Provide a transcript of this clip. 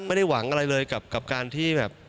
ไม่ได้หวังอะไรเลยกับการที่แบบ